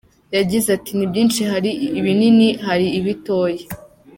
Yagize ati “Ni byinshi hari ibinini, hari ibitoya.